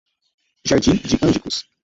Jardim de Angicos